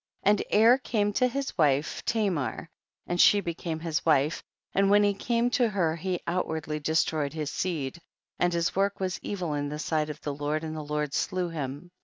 And Er came to his wife Ta mar, and she became his wife, and when he came to her he outwardly destroyed his seed, and his work was evil in the sight of the Lord, and the Lord slew him.